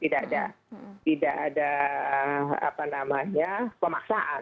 tidak ada pemaksaan